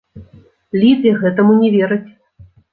Лідзе гэтаму не вераць.